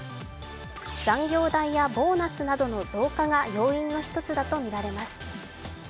残業代やボーナスなどの増加が要因の一つだとみられます。